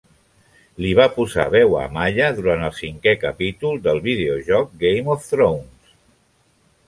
Li va posar veu a Amaya durant el cinquè capítol del videojoc "Game of Thrones".